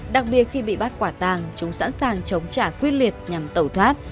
đặc biệt khi bị bắt quả tàng chúng sẵn sàng chống trả quyết liệt nhằm tẩu thoát